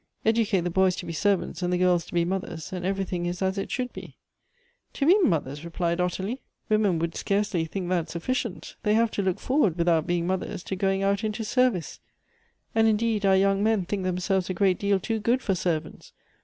Educate the boys to be servants, and the girls to be mothers, and everything is as it should be." "To be mothers?" replied Ottilie. "Women would Elective Affinities. 219 scarcely think that sufficient. They have to look for ward, without being mothers, to going out into service. And, indeed, our young men think themselves a great deal too good for servants.